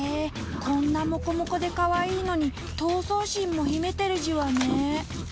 こんなもこもこでかわいいのに闘争心も秘めてるじわね。